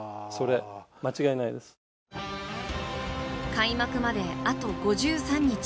開幕まで、あと５３日。